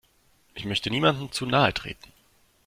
Ich möchte niemandem zu nahe treten.